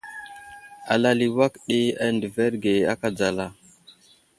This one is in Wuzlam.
Alal i awak di adəverge aka dzala.